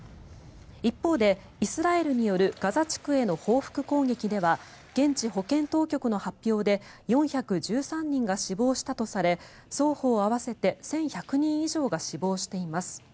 一方でイスラエルによるガザ地区への報復攻撃では現地保健当局の発表で４１３人が死亡したとされ双方合わせて１１００人以上が死亡しています。